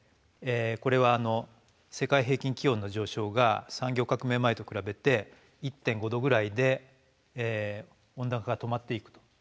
これは世界平均気温の上昇が産業革命前と比べて１．５℃ぐらいで温暖化が止まっていくと。